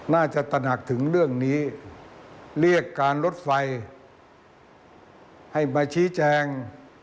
ตะหนักถึงเรื่องนี้เรียกการรถไฟให้มาชี้แจง